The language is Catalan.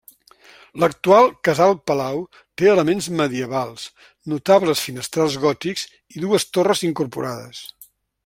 L'actual casal-palau té elements medievals, notables finestrals gòtics i dues torres incorporades.